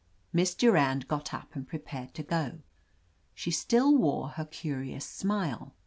Miss Durand got up and prepared to go. She still wore her curious smile.